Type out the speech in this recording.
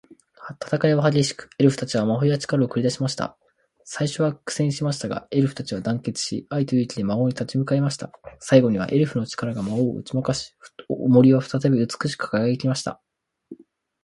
戦いは激しく、エルフたちは魔法や力を繰り出しました。最初は苦戦しましたが、エルフたちは団結し、愛と勇気で魔王に立ち向かいました。最後には、エルフの力が魔王を打ち負かし、森は再び美しく輝きました。